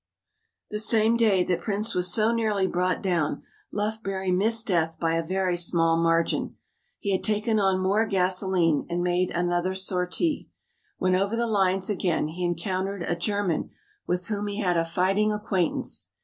The same day that Prince was so nearly brought down Lufbery missed death by a very small margin. He had taken on more gasoline and made another sortie. When over the lines again he encountered a German with whom he had a fighting acquaintance.